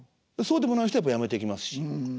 そうでもない人はやっぱりやめていきますし。